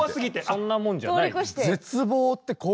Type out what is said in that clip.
そんなもんじゃない。